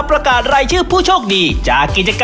ใครที่ดูรายการเราอยู่แล้วใครที่ออกรายการเรา